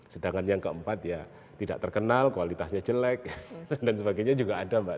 sedangkan yang keempat ya tidak terkenal kualitasnya jelek dan sebagainya juga ada mbak